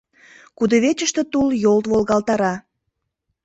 Кудывечыште тул йолт волгалтара.